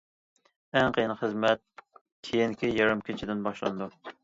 ئەڭ قېيىن خىزمەت كېيىنكى يېرىم كېچىدىن باشلىنىدۇ.